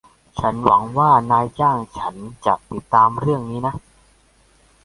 ฉันหวงัว่านายจ้างฉันจะติดตามเรื่องนี้นะ